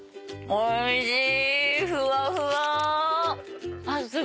おいしい。